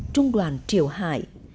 trung đoàn triều hải